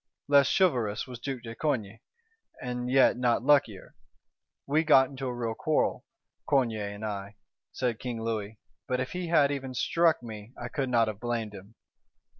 Less chivalrous was Duke de Coigny, and yet not luckier: 'We got into a real quarrel, Coigny and I,' said King Louis; 'but if he had even struck me, I could not have blamed him.